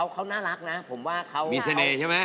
เขาน่ารักนะผมว่าเขามีเสน่ห์ใช่ไหม